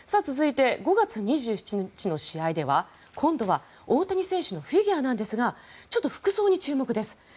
そして、５月２７日の試合では今度は大谷選手のフィギュアなんですが服装に注目です。